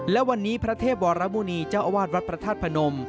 และวันนี้พระเทพวรมุณีเจ้าอาวาสวัดพระธาตุพนม